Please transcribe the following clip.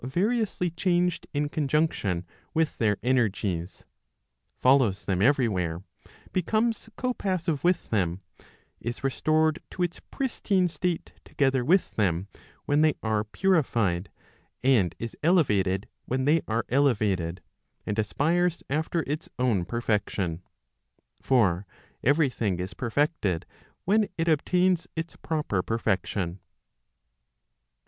with them, it is all variously changed in conjunction with their energies; follows them every where; becomes co passive with them; is restored to its pristine state together with them when they are purified;' and is elevated when they are elevated, and aspires after its own perfection. For every thing is perfected when it obtains its proper perfection.